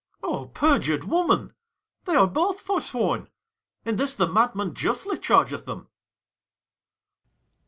Ang. O perjured woman! They are both forsworn: In this the madman justly chargeth them.